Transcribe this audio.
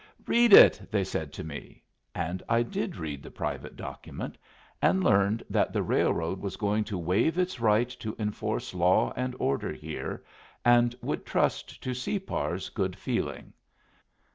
"Read it!" they said to me; and I did read the private document, and learned that the railroad was going to waive its right to enforce law and order here, and would trust to Separ's good feeling.